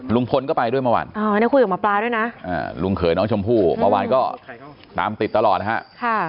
ลุงพลก็ไปด้วยเมื่อวันลุงเผยน้องชมพู่เมื่อวันก็ตามติดตลอดนะครับ